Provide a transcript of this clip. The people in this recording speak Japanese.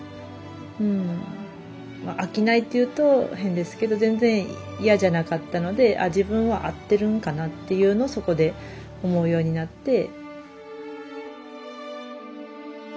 うん飽きないって言うと変ですけど全然嫌じゃなかったので自分は合ってるんかなっていうのをそこで思うようになって。